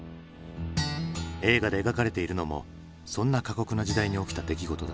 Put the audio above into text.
映画で描かれているのもそんな過酷な時代に起きた出来事だ。